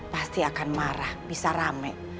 pasti akan marah bisa rame